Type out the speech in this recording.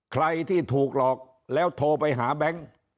ใครที่ถูกหลอกแล้วโทรไปหาแบงค์